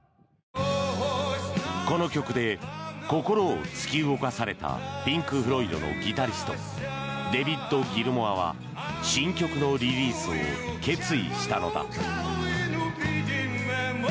この曲で心を突き動かされたピンク・フロイドのギタリストデビッド・ギルモアは新曲のリリースを決意したのだ。